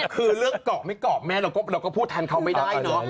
คือเรื่องเกาะไม่เกาะแม่เราก็พูดแทนเขาไม่ได้เนอะ